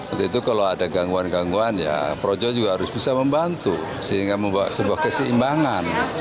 untuk itu kalau ada gangguan gangguan ya projo juga harus bisa membantu sehingga membawa sebuah keseimbangan